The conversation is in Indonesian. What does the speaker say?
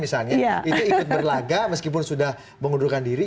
misalnya ikut berlaga meskipun sudah mengundurkan diri